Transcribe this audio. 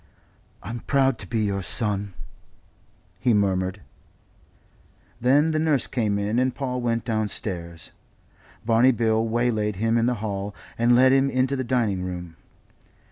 "I'm proud to be your son," he murmured. Then the nurse came in and Paul went downstairs. Barney Bill waylaid him in the hall, and led him into the dining room.